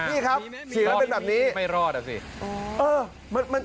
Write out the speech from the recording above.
นี่ครับเสียงแล้วเป็นแบบนี้ไม่รอดอ่ะสิ